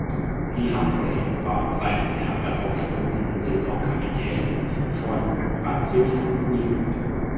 Lee Humphrey war seit der darauffolgenden Saison Kapitän von ratiopharm Ulm.